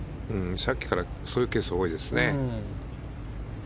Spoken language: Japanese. さっきからそういうケースが多いですよね。